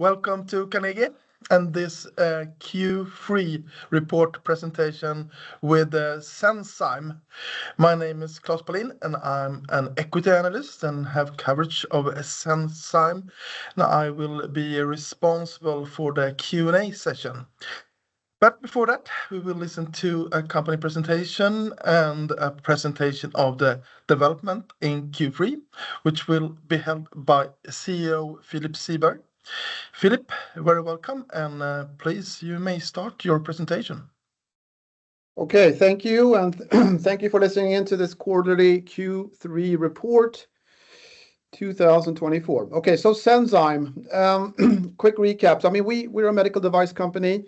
Welcome to Carnegie and this Q3 report presentation with Senzime. My name is Klas Palin, and I'm an Equity Analyst and have coverage of Senzime. Now I will be responsible for the Q&A session. But before that, we will listen to a company presentation and a presentation of the development in Q3, which will be held by CEO Philip Siberg. Philip, very welcome, and please you may start your presentation. Okay, thank you, and thank you for listening in to this quarterly Q3 report 2024. Okay, so Senzime, quick recap. So I mean, we are a medical device company.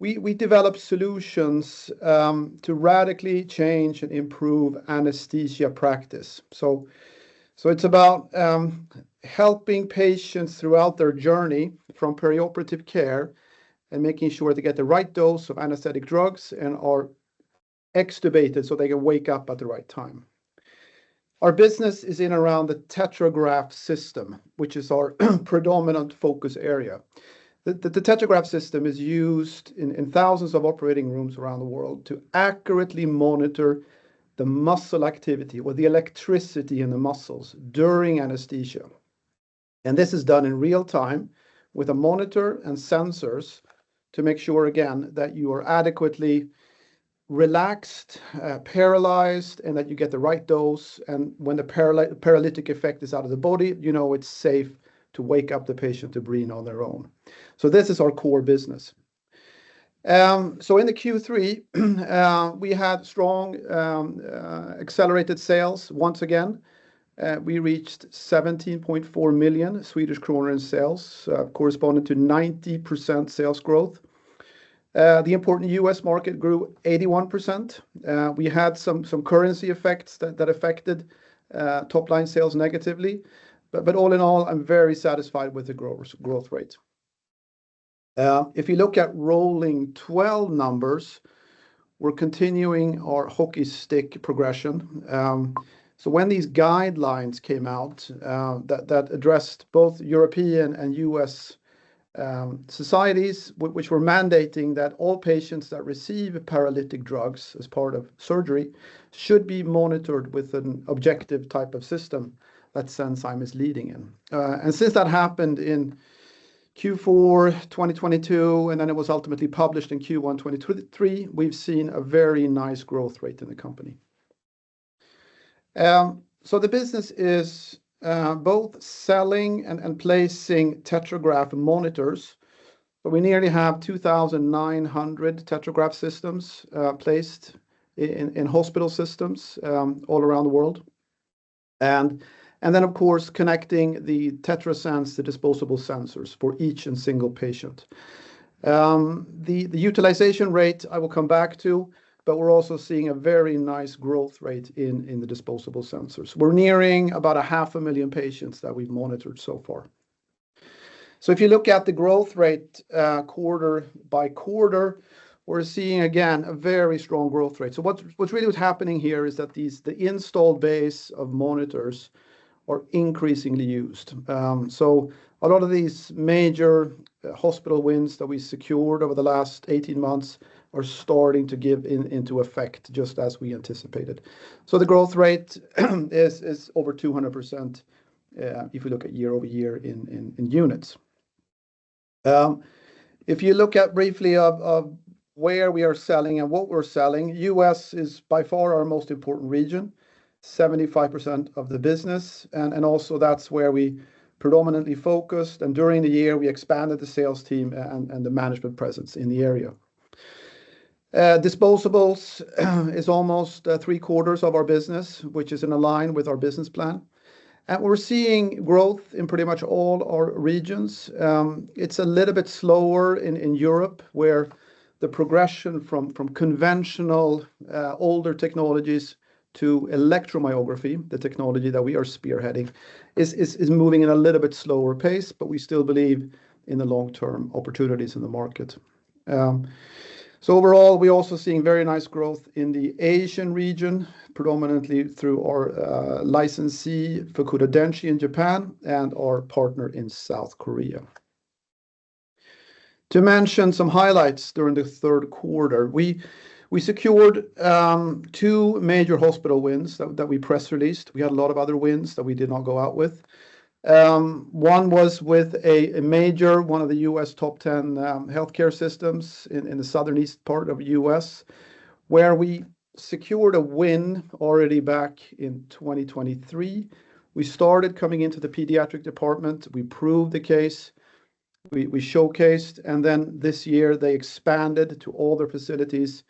We develop solutions to radically change and improve anesthesia practice. So it's about helping patients throughout their journey from perioperative care and making sure they get the right dose of anesthetic drugs and are extubated so they can wake up at the right time. Our business is in around the TetraGraph system, which is our predominant focus area. The TetraGraph system is used in thousands of operating rooms around the world to accurately monitor the muscle activity or the electricity in the muscles during anesthesia, and this is done in real time with a monitor and sensors to make sure, again, that you are adequately relaxed, paralyzed, and that you get the right dose. When the paralytic effect is out of the body, you know it's safe to wake up the patient to breathe on their own. This is our core business. In the Q3, we had strong accelerated sales. Once again, we reached 17.4 million Swedish kronor in sales, corresponding to 90% sales growth. The important U.S. market grew 81%. We had some currency effects that affected top-line sales negatively. But all in all, I'm very satisfied with the growth rate. If you look at rolling 12 numbers, we're continuing our hockey stick progression. When these guidelines came out that addressed both European and U.S. societies, which were mandating that all patients that receive paralytic drugs as part of surgery should be monitored with an objective type of system that Senzime is leading in. And since that happened in Q4 2022, and then it was ultimately published in Q1 2023, we've seen a very nice growth rate in the company. So the business is both selling and placing TetraGraph monitors. So we nearly have 2,900 TetraGraph systems placed in hospital systems all around the world. And then, of course, connecting the TetraSens, the disposable sensors for each and single patient. The utilization rate, I will come back to, but we're also seeing a very nice growth rate in the disposable sensors. We're nearing about 500,000 patients that we've monitored so far. So if you look at the growth rate quarter by quarter, we're seeing again a very strong growth rate. So what's really happening here is that the installed base of monitors are increasingly used. So a lot of these major hospital wins that we secured over the last 18 months are starting to come into effect just as we anticipated. So the growth rate is over 200% if we look at year-over-year in units. If you look at briefly where we are selling and what we're selling, U.S. is by far our most important region, 75% of the business. And also that's where we predominantly focused. And during the year, we expanded the sales team and the management presence in the area. Disposables is almost three quarters of our business, which is in line with our business plan. And we're seeing growth in pretty much all our regions. It's a little bit slower in Europe, where the progression from conventional older technologies to electromyography, the technology that we are spearheading, is moving at a little bit slower pace, but we still believe in the long-term opportunities in the market. So overall, we're also seeing very nice growth in the Asian region, predominantly through our licensee Fukuda Denshi in Japan and our partner in South Korea. To mention some highlights during the third quarter, we secured two major hospital wins that we press released. We had a lot of other wins that we did not go out with. One was with a major, one of the U.S. top 10 healthcare systems in the southeast part of the U.S., where we secured a win already back in 2023. We started coming into the pediatric department. We proved the case. We showcased. Then this year, they expanded to all their facilities.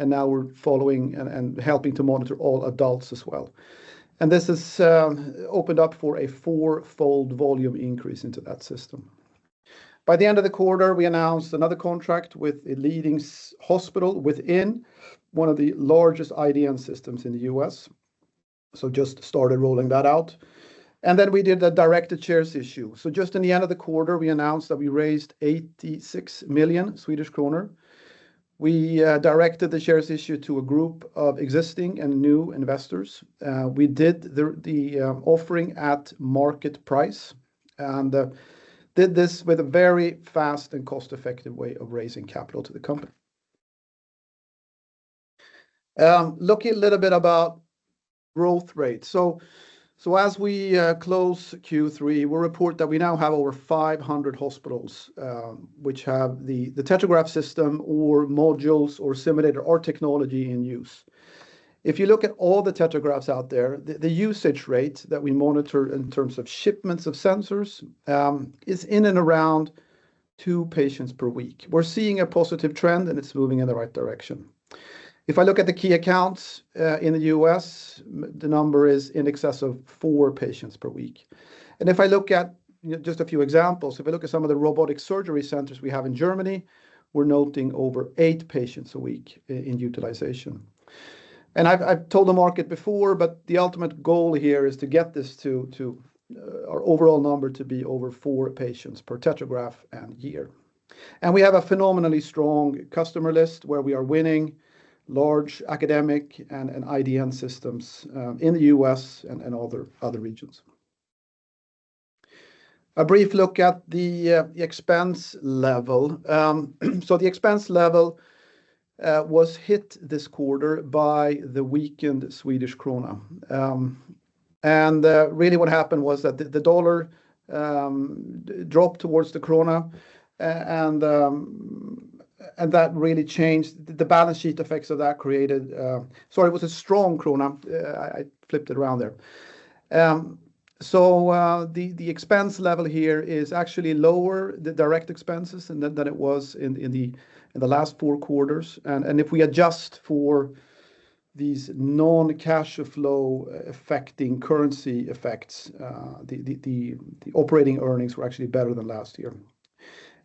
Now we're following and helping to monitor all adults as well. This has opened up for a four-fold volume increase into that system. By the end of the quarter, we announced another contract with a leading hospital within one of the largest IDN systems in the U.S. We just started rolling that out. Then we did a directed shares issue. Just in the end of the quarter, we announced that we raised 86 million Swedish kronor. We directed the shares issue to a group of existing and new investors. We did the offering at market price and did this with a very fast and cost-effective way of raising capital to the company. Looking a little bit about growth rate. As we close Q3, we report that we now have over 500 hospitals which have the TetraGraph system or modules or simulator or technology in use. If you look at all the TetraGraphs out there, the usage rate that we monitor in terms of shipments of sensors is in and around two patients per week. We're seeing a positive trend, and it's moving in the right direction. If I look at the key accounts in the U.S., the number is in excess of four patients per week. And if I look at just a few examples, if I look at some of the robotic surgery centers we have in Germany, we're noting over eight patients a week in utilization. And I've told the market before, but the ultimate goal here is to get this to our overall number to be over four patients per TetraGraph and year. We have a phenomenally strong customer list where we are winning large academic and IDN systems in the U.S. and other regions. A brief look at the expense level. The expense level was hit this quarter by the weakened Swedish krona. Really what happened was that the dollar dropped towards the krona, and that really changed the balance sheet effects of that created. Sorry, it was a strong krona. I flipped it around there. The expense level here is actually lower, the direct expenses, than it was in the last four quarters. If we adjust for these non-cash flow affecting currency effects, the operating earnings were actually better than last year.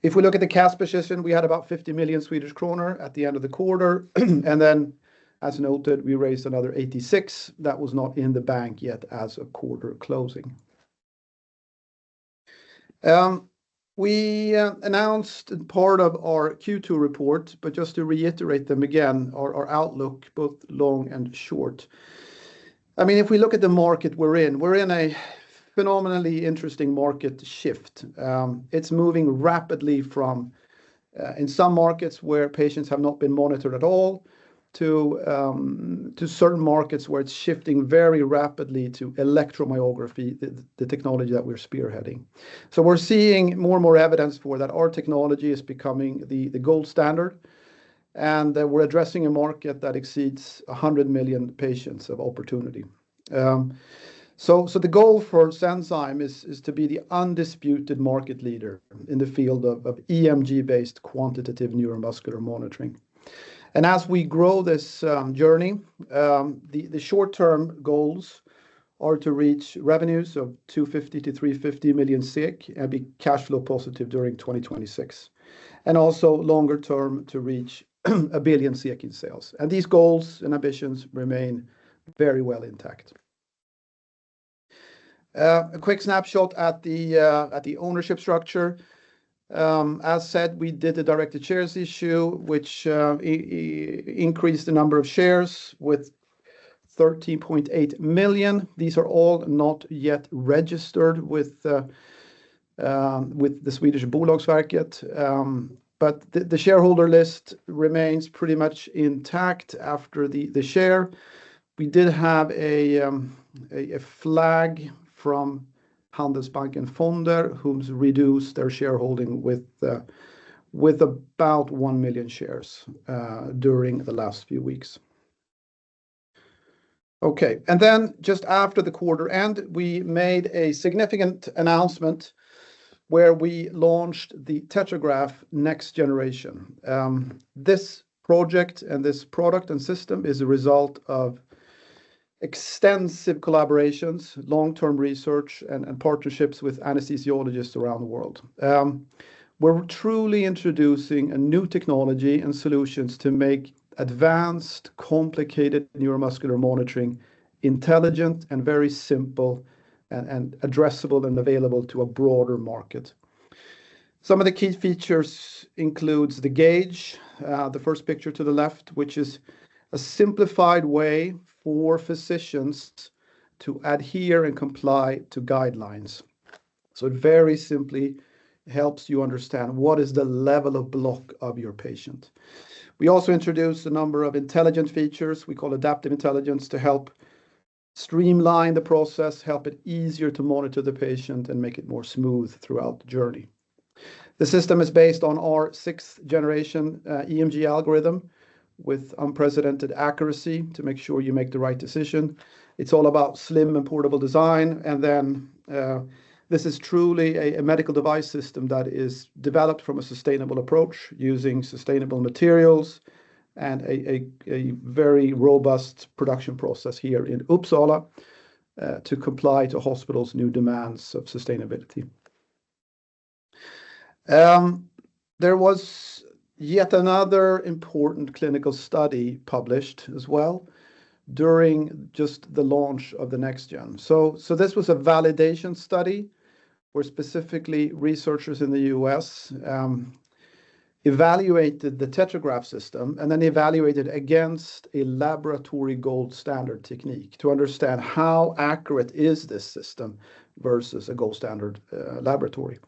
If we look at the cash position, we had about 50 million Swedish kronor at the end of the quarter. Then, as noted, we raised another 86 million that was not in the bank yet as a quarter closing. We announced part of our Q2 report, but just to reiterate them again, our outlook, both long and short. I mean, if we look at the market we're in, we're in a phenomenally interesting market shift. It's moving rapidly from, in some markets where patients have not been monitored at all, to certain markets where it's shifting very rapidly to electromyography, the technology that we're spearheading. So we're seeing more and more evidence for that our technology is becoming the gold standard. And we're addressing a market that exceeds 100 million patients of opportunity. So the goal for Senzime is to be the undisputed market leader in the field of EMG-based quantitative neuromuscular monitoring. As we grow this journey, the short-term goals are to reach revenues of 250-350 million and be cash flow positive during 2026. Also longer term to reach 1 billion in sales. These goals and ambitions remain very well intact. A quick snapshot at the ownership structure. As said, we did the directed shares issue, which increased the number of shares with 13.8 million. These are all not yet registered with the Swedish Bolagsverket. But the shareholder list remains pretty much intact after the share. We did have a flag from Handelsbanken Fonder, who's reduced their shareholding with about one million shares during the last few weeks. Okay, and then just after the quarter end, we made a significant announcement where we launched the TetraGraph next-generation. This project and this product and system is a result of extensive collaborations, long-term research, and partnerships with anesthesiologists around the world. We're truly introducing a new technology and solutions to make advanced complicated neuromuscular monitoring intelligent and very simple and addressable and available to a broader market. Some of the key features include the gauge, the first picture to the left, which is a simplified way for physicians to adhere and comply to guidelines. So it very simply helps you understand what is the level of block of your patient. We also introduced a number of intelligent features we call adaptive intelligence to help streamline the process, help it easier to monitor the patient, and make it more smooth throughout the journey. The system is based on our sixth generation EMG algorithm with unprecedented accuracy to make sure you make the right decision. It's all about slim and portable design, and then this is truly a medical device system that is developed from a sustainable approach using sustainable materials and a very robust production process here in Uppsala to comply to hospitals' new demands of sustainability. There was yet another important clinical study published as well during just the launch of the next gen, so this was a validation study where specifically researchers in the U.S. evaluated the TetraGraph system and then evaluated against a laboratory gold standard technique to understand how accurate is this system versus a gold standard laboratory,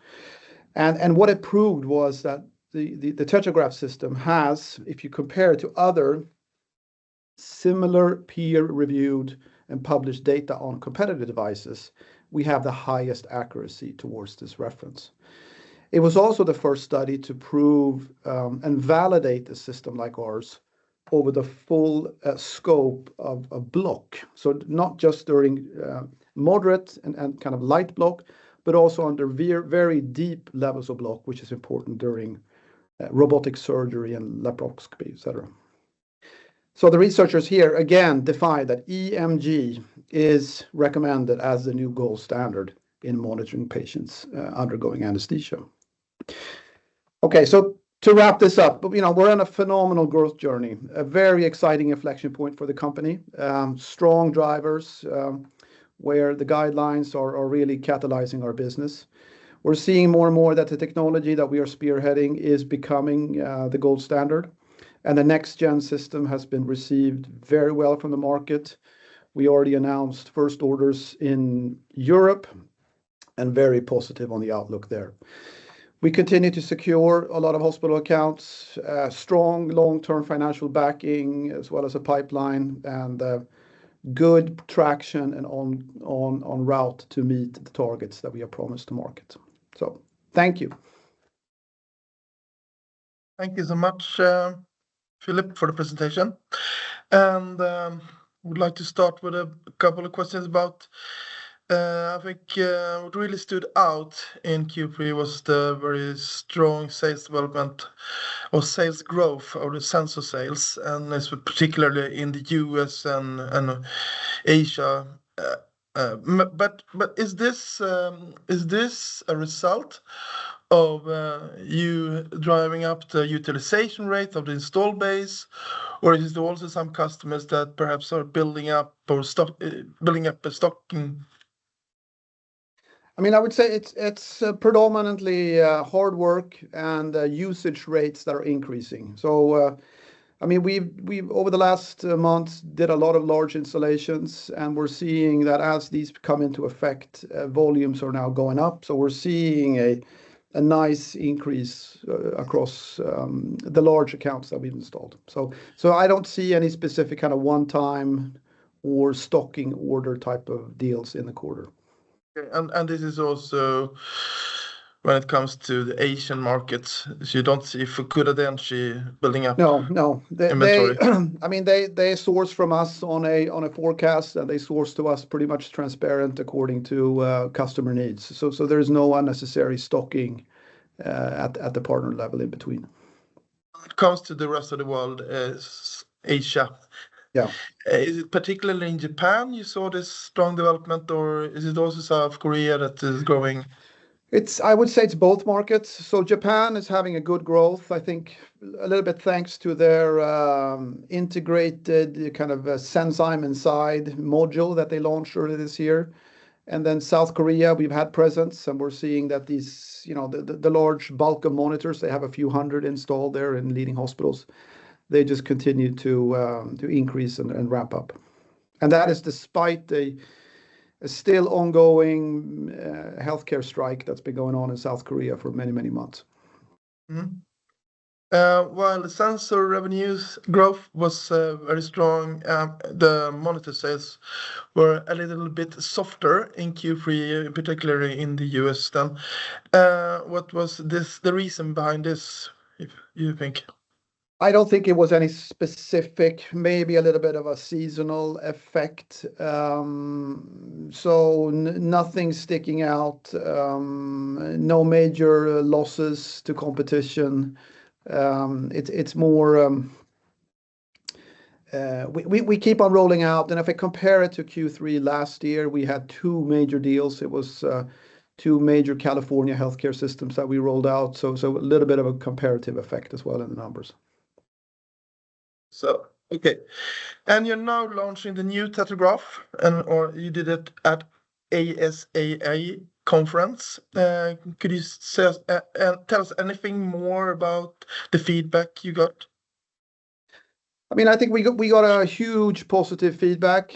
and what it proved was that the TetraGraph system has, if you compare it to other similar peer-reviewed and published data on competitive devices, we have the highest accuracy towards this reference. It was also the first study to prove and validate the system like ours over the full scope of block. So not just during moderate and kind of light block, but also under very deep levels of block, which is important during robotic surgery and laparoscopy, etc. So the researchers here again define that EMG is recommended as a new gold standard in monitoring patients undergoing anesthesia. Okay, so to wrap this up, we're on a phenomenal growth journey, a very exciting inflection point for the company, strong drivers where the guidelines are really catalyzing our business. We're seeing more and more that the technology that we are spearheading is becoming the gold standard. And the next gen system has been received very well from the market. We already announced first orders in Europe and very positive on the outlook there. We continue to secure a lot of hospital accounts, strong long-term financial backing as well as a pipeline and good traction and en route to meet the targets that we have promised to market. So thank you. Thank you so much, Philip, for the presentation. And I would like to start with a couple of questions about, I think, what really stood out in Q3 was the very strong sales development or sales growth of the sensor sales. And this was particularly in the U.S. and Asia. But is this a result of you driving up the utilization rate of the installed base? Or is it also some customers that perhaps are building up the stocking? I mean, I would say it's predominantly hard work and usage rates that are increasing. So I mean, we've over the last months did a lot of large installations, and we're seeing that as these come into effect, volumes are now going up. So we're seeing a nice increase across the large accounts that we've installed. So I don't see any specific kind of one-time or stocking order type of deals in the quarter. And this is also when it comes to the Asian markets. So you don't see Fukuda Denshi building up inventory? No, no. I mean, they source from us on a forecast, and they source to us pretty much transparent according to customer needs. So there is no unnecessary stocking at the partner level in between. When it comes to the rest of the world, Asia, is it particularly in Japan you saw this strong development, or is it also South Korea that is growing? I would say it's both markets. Japan is having good growth, I think, a little bit thanks to their integrated kind of Senzime Inside module that they launched earlier this year. Then South Korea, we've had presence, and we're seeing that the large bulk of monitors, they have a few hundred installed there in leading hospitals. They just continue to increase and ramp up. That is despite the still ongoing healthcare strike that's been going on in South Korea for many, many months. While the sensor revenues growth was very strong, the monitor sales were a little bit softer in Q3, particularly in the U.S. then. What was the reason behind this, you think? I don't think it was any specific, maybe a little bit of a seasonal effect. Nothing sticking out, no major losses to competition. It's more we keep on rolling out. And if I compare it to Q3 last year, we had two major deals. It was two major California healthcare systems that we rolled out. So a little bit of a comparative effect as well in the numbers. So, okay. And you're now launching the new TetraGraph, and you did it at ASA conference. Could you tell us anything more about the feedback you got? I mean, I think we got a huge positive feedback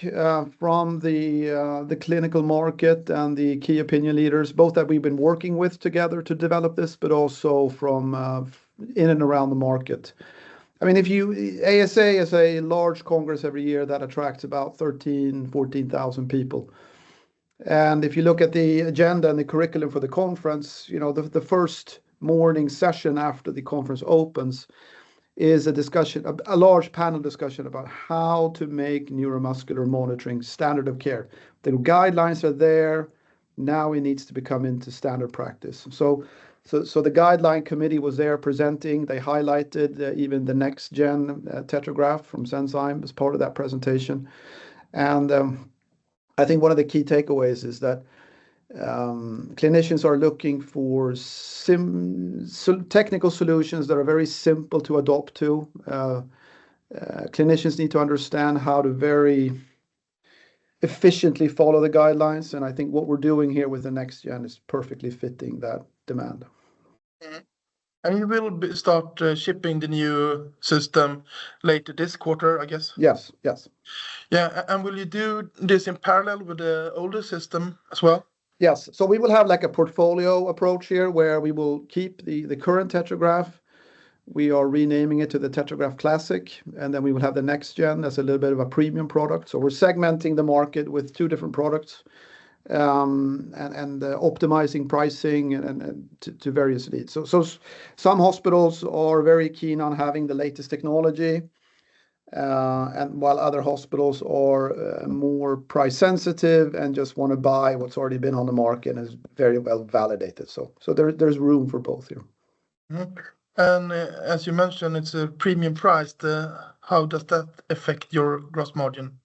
from the clinical market and the key opinion leaders, both that we've been working with together to develop this, but also from in and around the market. I mean, ASA is a large conference every year that attracts about 13,000-14,000 people. If you look at the agenda and the curriculum for the conference, the first morning session after the conference opens is a discussion, a large panel discussion about how to make neuromuscular monitoring standard of care. The guidelines are there. Now it needs to become into standard practice. So the guideline committee was there presenting. They highlighted even the next-gen TetraGraph from Senzime as part of that presentation. And I think one of the key takeaways is that clinicians are looking for technical solutions that are very simple to adopt, too. Clinicians need to understand how to very efficiently follow the guidelines. And I think what we're doing here with the next-gen is perfectly fitting that demand. And you will start shipping the new system later this quarter, I guess? Yes, yes. Yeah. And will you do this in parallel with the older system as well? Yes. So we will have like a portfolio approach here where we will keep the current TetraGraph. We are renaming it to the TetraGraph Classic. And then we will have the next-gen as a little bit of a premium product. So we're segmenting the market with two different products and optimizing pricing to various needs. So some hospitals are very keen on having the latest technology. And while other hospitals are more price sensitive and just want to buy what's already been on the market and is very well validated. So there's room for both here. And as you mentioned, it's a premium price. How does that affect your gross margin?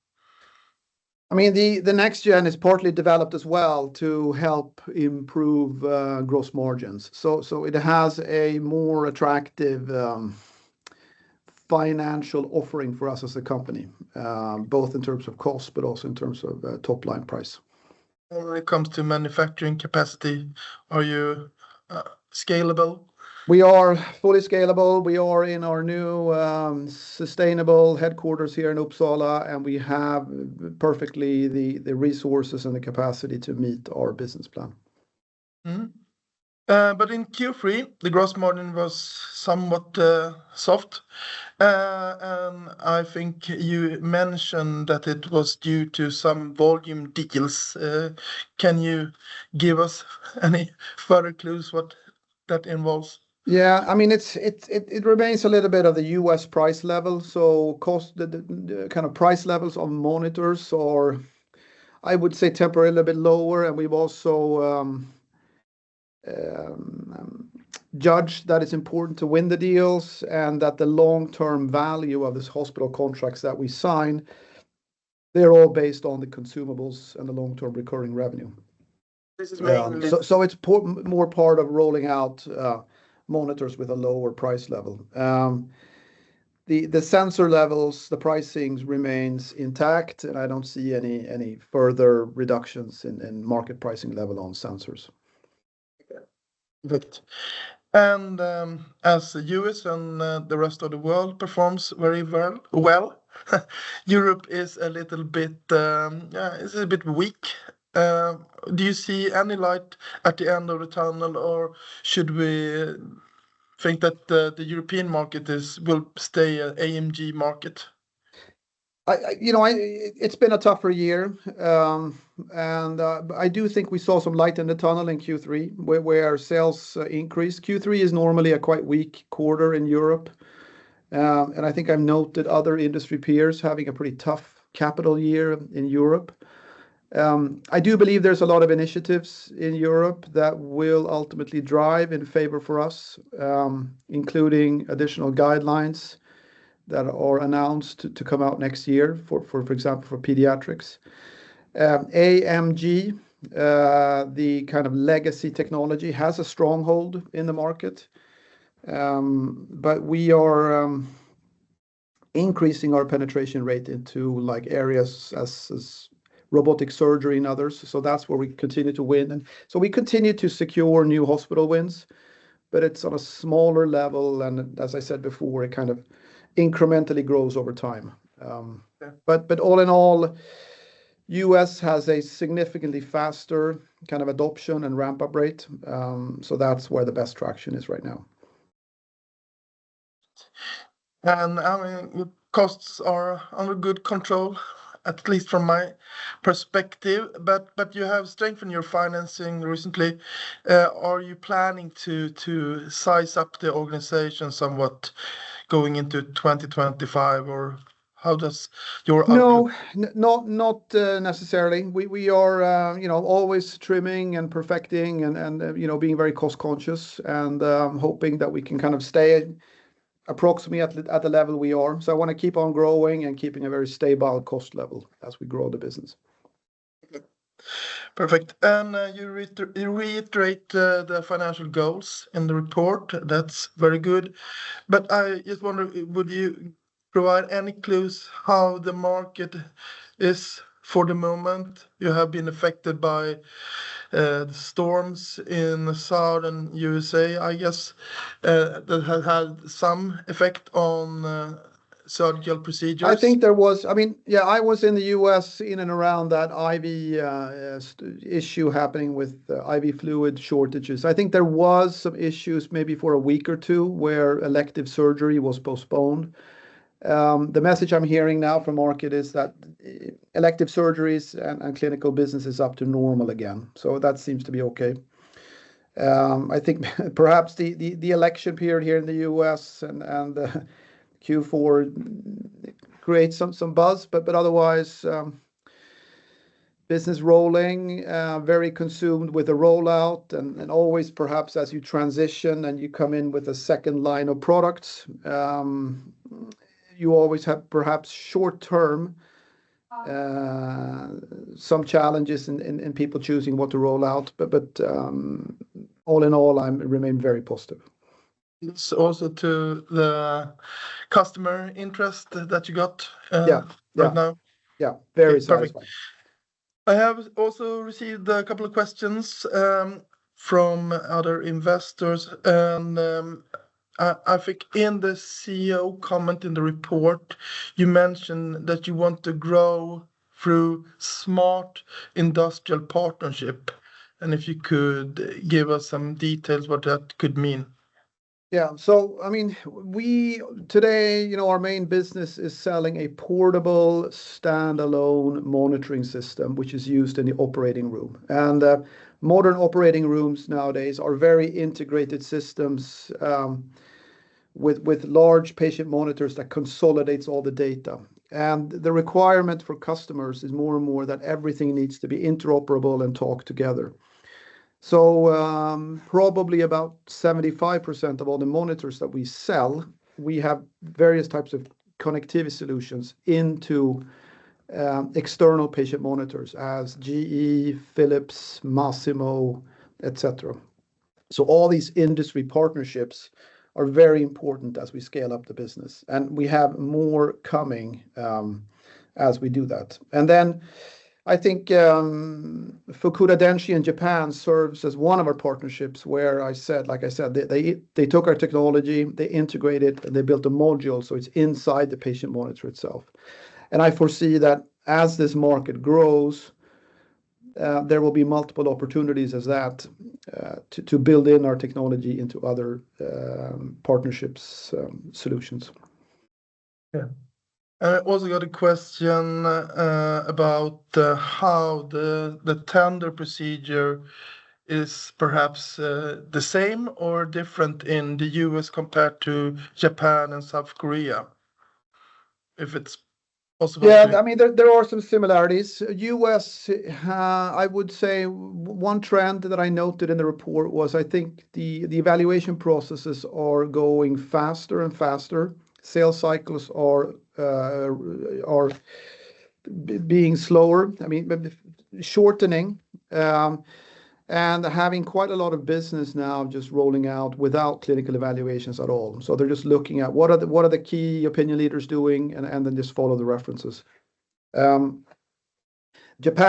I mean, the next-gen is partly developed as well to help improve gross margins. So it has a more attractive financial offering for us as a company, both in terms of cost, but also in terms of top line price. When it comes to manufacturing capacity, are you scalable? We are fully scalable. We are in our new sustainable headquarters here in Uppsala, and we have perfectly the resources and the capacity to meet our business plan. But in Q3, the gross margin was somewhat soft. And I think you mentioned that it was due to some volume deals. Can you give us any further clues what that involves? Yeah, I mean, it remains a little bit of the U.S. price level. So kind of price levels of monitors are, I would say, temporarily a little bit lower. We've also judged that it's important to win the deals and that the long-term value of this hospital contracts that we sign, they're all based on the consumables and the long-term recurring revenue. It's more part of rolling out monitors with a lower price level. The sensor levels, the pricings remains intact. I don't see any further reductions in market pricing level on sensors. As the U.S. and the rest of the world performs very well, Europe is a little bit, it's a bit weak. Do you see any light at the end of the tunnel, or should we think that the European market will stay a AMG market? It's been a tougher year. I do think we saw some light in the tunnel in Q3 where our sales increased. Q3 is normally a quite weak quarter in Europe. And I think I've noted other industry peers having a pretty tough capital year in Europe. I do believe there's a lot of initiatives in Europe that will ultimately drive in favor for us, including additional guidelines that are announced to come out next year, for example, for pediatrics. AMG, the kind of legacy technology, has a stronghold in the market. But we are increasing our penetration rate into areas as robotic surgery and others. So that's where we continue to win. And so we continue to secure new hospital wins. But it's on a smaller level. And as I said before, it kind of incrementally grows over time. But all in all, U.S. has a significantly faster kind of adoption and ramp-up rate. So that's where the best traction is right now. And I mean, costs are under good control, at least from my perspective. But you have strengthened your financing recently. Are you planning to size up the organization somewhat going into 2025, or how does your outlook? No, not necessarily. We are always trimming and perfecting and being very cost-conscious and hoping that we can kind of stay approximately at the level we are. So I want to keep on growing and keeping a very stable cost level as we grow the business. Perfect. And you reiterate the financial goals in the report. That's very good. But I just wonder, would you provide any clues how the market is for the moment? You have been affected by the storms in the southern USA, I guess, that had some effect on surgical procedures. I think there was, I mean, yeah, I was in the U.S. in and around that IV issue happening with IV fluid shortages. I think there were some issues maybe for a week or two where elective surgery was postponed. The message I'm hearing now from the market is that elective surgeries and clinical business is up to normal again. So that seems to be okay. I think perhaps the election period here in the U.S. and Q4 creates some buzz. But otherwise, business rolling, very consumed with a rollout. And always, perhaps as you transition and you come in with a second line of products, you always have perhaps short-term some challenges in people choosing what to roll out. But all in all, I remain very positive. It's also to the customer interest that you got right now. Yeah, very satisfied. I have also received a couple of questions from other investors. And I think in the CEO comment in the report, you mentioned that you want to grow through smart industrial partnership. And if you could give us some details what that could mean? Yeah. So I mean, today, our main business is selling a portable standalone monitoring system, which is used in the operating room. And modern operating rooms nowadays are very integrated systems with large patient monitors that consolidate all the data. And the requirement for customers is more and more that everything needs to be interoperable and talk together. So probably about 75% of all the monitors that we sell, we have various types of connectivity solutions into external patient monitors as GE, Philips, Masimo, etc. So all these industry partnerships are very important as we scale up the business. And we have more coming as we do that. And then I think Fukuda Denshi in Japan serves as one of our partnerships where I said, like I said, they took our technology, they integrated, and they built a module. So it's inside the patient monitor itself. And I foresee that as this market grows, there will be multiple opportunities as that to build in our technology into other partnerships solutions. Yeah. I also got a question about how the tender procedure is perhaps the same or different in the U.S. compared to Japan and South Korea, if it's possible. Yeah, I mean, there are some similarities. U.S., I would say one trend that I noted in the report was I think the evaluation processes are going faster and faster. Sales cycles are being slower, I mean, shortening, and having quite a lot of business now just rolling out without clinical evaluations at all. They're just looking at what the key opinion leaders are doing and then just follow the references. Japan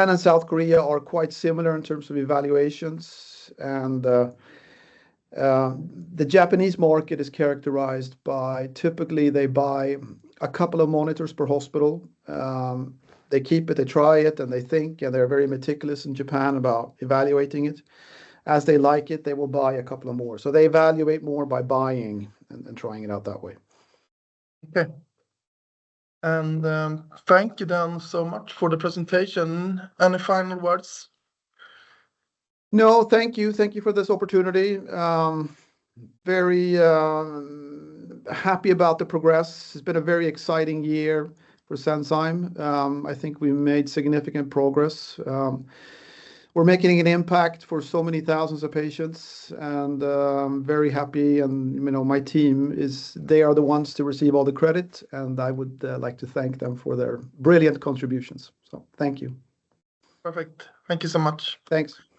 and South Korea are quite similar in terms of evaluations. The Japanese market is characterized by typically they buy a couple of monitors per hospital. They keep it, they try it, and they think, and they're very meticulous in Japan about evaluating it. As they like it, they will buy a couple more. So they evaluate more by buying and trying it out that way. Okay. And thank you then so much for the presentation. Any final words? No, thank you. Thank you for this opportunity. Very happy about the progress. It's been a very exciting year for Senzime. I think we made significant progress. We're making an impact for so many thousands of patients. And I'm very happy. And my team, they are the ones to receive all the credit. And I would like to thank them for their brilliant contributions. So thank you. Perfect. Thank you so much. Thanks.